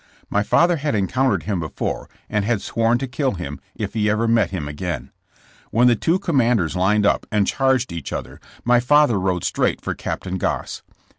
My father had encountered him before and had sworn to kill him if he ever met him again. AYhen the two commanders lined up and charged each other my CI.OSING DAYS OF THE BORDER WARFARE. 51 father rode straight for Capt. Goss.